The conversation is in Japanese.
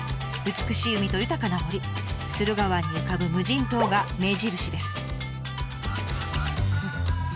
美しい海と豊かな森駿河湾に浮かぶ無人島が目印です。